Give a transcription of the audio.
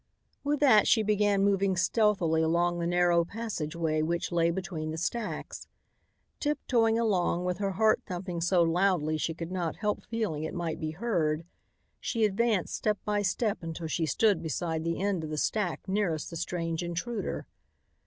With that she began moving stealthily along the narrow passageway which lay between the stacks. Tiptoeing along, with her heart thumping so loudly she could not help feeling it might be heard, she advanced step by step until she stood beside the end of the stack nearest the strange intruder.